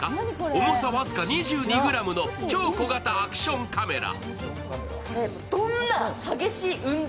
重さ僅か２２ｇの超小型アクションカメラ。